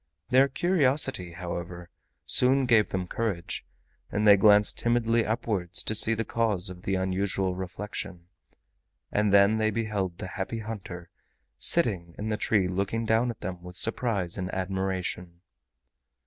Their curiosity, however, soon gave them courage, and they glanced timidly upwards to see the cause of the unusual reflection, and then they beheld the Happy Hunter sitting in the tree looking down at them with surprise and admiration.